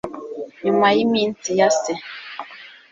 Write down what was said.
Nyuma y'iminsi ya se